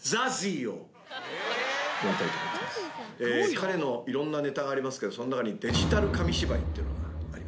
彼のいろんなネタがありますけどその中にデジタル紙芝居っていうのがありまして。